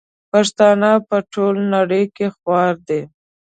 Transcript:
پښتانه په ټوله نړئ کي خواره دي